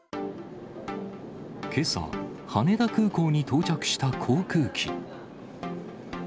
けさ、羽田空港に到着した航空機。